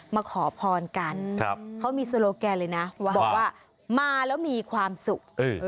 มาขอพรกันเขามีโซโลแกนเลยนะบอกว่ามาแล้วมีความสุข